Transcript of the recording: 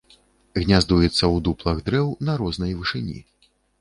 Гняздуецца ў дуплах дрэў на рознай вышыні.